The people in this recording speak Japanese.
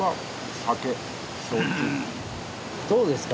どうですか？